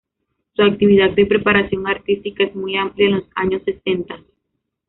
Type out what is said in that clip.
Su actividad de preparación artística es muy amplia en los años sesentas.